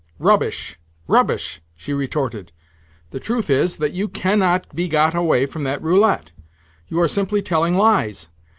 "Rubbish, rubbish!" she retorted. "The truth is that you cannot be got away from that roulette. You are simply telling lies.